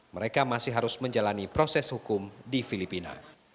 mereka masih harus menjalani proses hukum di filipina